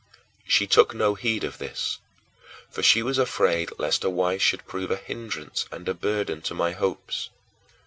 She took no heed of this, for she was afraid lest a wife should prove a hindrance and a burden to my hopes.